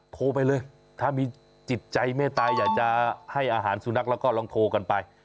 โทรไปเลยถ้ามีจิตใจเมตตาอยากจะให้อาหารสุนัขแล้วก็ลองโทรกันไป